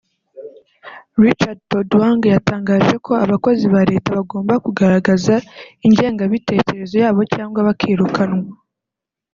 Richard Todwong yatangaje ko abakozi ba leta bagomba kugaragaza ingenga bitekerezo yabo cyangwa bakirukanwa